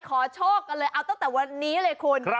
ขอโชคกันเลยเอาตั้งแต่วันนี้เลยคุณ